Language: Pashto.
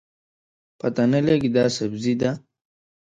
پته نه لګي دا سبزي ده